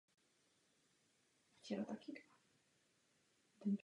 Patřil k přátelům Františka Ladislava Riegra.